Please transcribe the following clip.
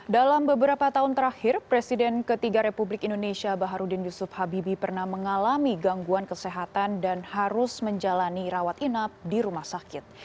dalam beberapa tahun terakhir presiden ketiga republik indonesia baharudin yusuf habibie pernah mengalami gangguan kesehatan dan harus menjalani rawat inap di rumah sakit